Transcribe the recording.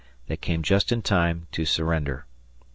They came just in time to surrender.